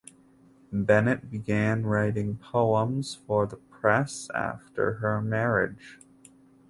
Bennett began writing poems for the press after her marriage.